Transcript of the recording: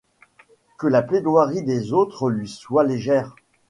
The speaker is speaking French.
Que la plaidoirie des autres lui soit légère !